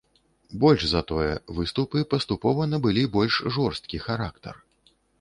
Больш за тое, выступы паступова набылі больш жорсткі характар.